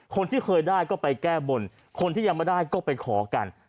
คนที่เคยได้ก็ไปแก้บนคนที่ยังไม่ได้ก็ไปขอกัน